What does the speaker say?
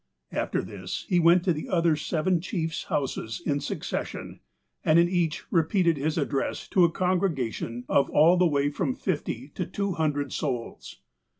After this, he went to the other seven chiefs' houses in succession, and in each repeated his address to a congre gation of all the way from fifty to two hundred souls.